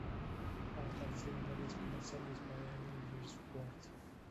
Ha aparecido en varios comerciales para "Energy Spot".